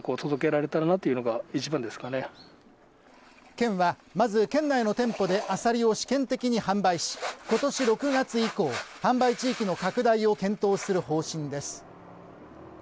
県はまず県内の店舗でアサリを試験的に販売しことし６月以降販売地域の拡大を検討する方針です